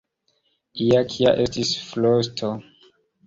Ja kia estis frosto.